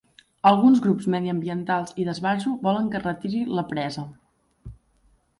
Alguns grups mediambientals i d'esbarjo volen que es retiri la presa.